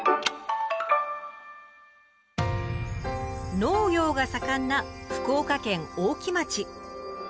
農業が盛んな福岡県大木町。